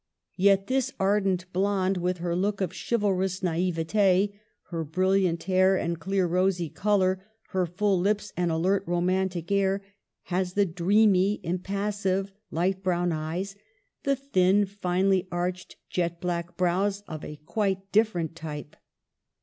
Yet this ardent blonde, with her look of chivalrous naivete, her brilliant hair and clear rosy color, her full lips, and alert ro mantic air, has the dreamy, impassive, light brown eyes, the thin finely arched jet black brows of a quite dlliferent type.